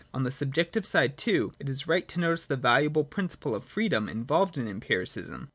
On the subjective side, too, it is right to notice the valuable principle of freedom involved in Empiricism.